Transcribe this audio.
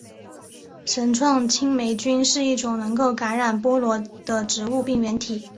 绳状青霉菌是一种能够感染菠萝的植物病原体。